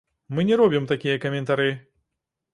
Мы не робім такія каментары.